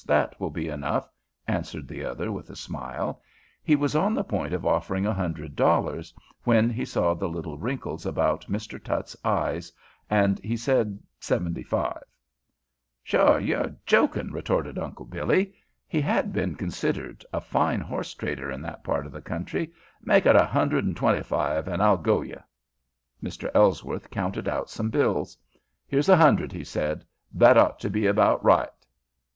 That will be enough," answered the other with a smile. He was on the point of offering a hundred dollars, when he saw the little wrinkles about Mr. Tutt's eyes, and he said seventy five. "Sho, ye're jokin'!" retorted Uncle Billy. He had been considered a fine horse trader in that part of the country. "Make it a hundred and twenty five, an' I'll go ye." Mr. Ellsworth counted out some bills. "Here's a hundred," he said. "That ought to be about right."